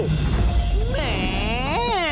แหม่